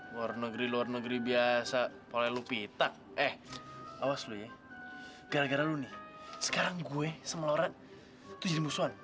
luar negeri luar negeri biasa boleh lo pitak eh awas lo ya gara gara lo nih sekarang gue sama lorat tuh jadi musuhan